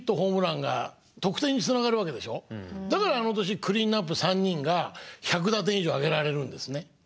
だからあの年クリーンアップ３人が１００打点以上挙げられるんですね。